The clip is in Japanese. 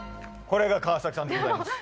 これが川崎さんでございます